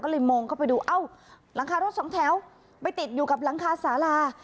ก็เลยมองเข้าไปดูเอ้าหลังคารถสองแถวไปติดอยู่กับหลังคาสารา